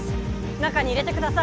中に入れてください